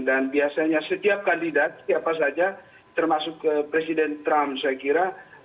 dan biasanya setiap kandidat setiap saja termasuk presiden trump saya kira mengharapkan